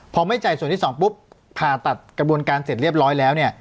พอไม่จ่ายส่วนที่๒ปุ๊บผ่าตัดกระบวนการเสร็จเรียบร้อยแล้วเนี่ย